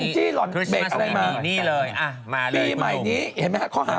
ปีใหม่นี้เห็นมั้ยฮะค่ะ